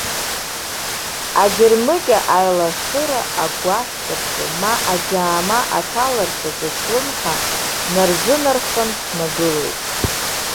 Аџьармыкьа аилашыра агәашәқәа рҿы, ма аџьаама аҭаларҭаҿы слымҳа нарзынархан снагылоит.